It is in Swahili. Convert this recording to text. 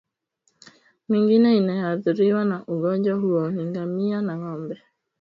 Mingine inayoathiriwa na ugonjwa huo ni ngamia na ngombe